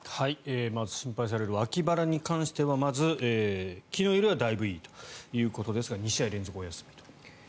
まず心配される脇腹に関してはまず昨日よりはだいぶいいということですが２試合連続お休みと。